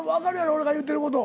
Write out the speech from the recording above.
俺が言うてること。